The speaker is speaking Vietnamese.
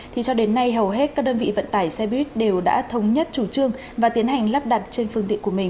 thì cho đến nay hầu hết các đơn vị vận tải xe buýt đều đã thống nhất chủ trương và tiến hành lắp đặt trên phương tiện của mình